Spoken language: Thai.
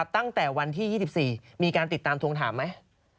ตั้งแต่วันที่๒๔มีการติดตามทวงถามไหม